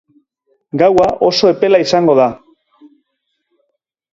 Gaua oso epela izango da.